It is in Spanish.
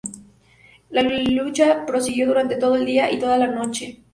La lucha prosiguió durante todo el día y toda la noche.